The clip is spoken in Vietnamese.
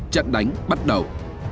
trận đánh bắt đầu